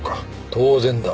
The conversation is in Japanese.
当然だ。